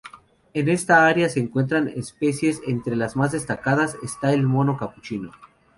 En esta área se encuentran especies entre las más destacadas están el mono capuchino.